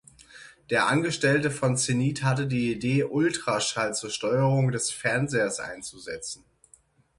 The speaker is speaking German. Der Angestellte von Zenith hatte die Idee, Ultraschall zur Steuerung des Fernsehers einzusetzen.